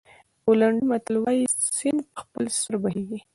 پولنډي متل وایي سیند په خپل سر بهېږي.